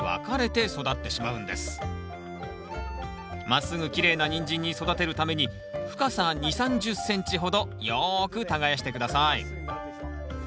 まっすぐきれいなニンジンに育てるために深さ２０３０ｃｍほどよく耕して下さい。